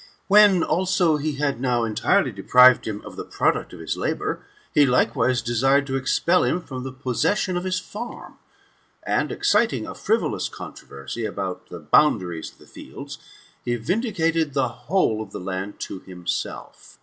When, also, he. had now entirely deprived him of the product of his labour, he likewise desired to expel him from the possession of his farm; and, exciting a frivolous controversy about the bound aries of the fields, ha vindicated the whole 9/ the land to GOLDEN ASS, OF APULEIUS. — BOOK IX. 163 himself.